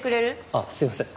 あっすいません。